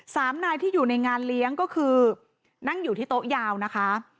สามนายที่อยู่ในงานเลี้ยงก็คือนั่งอยู่ที่โต๊ะยาวนะคะ